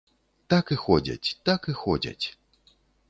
Так і ходзяць, так і ходзяць.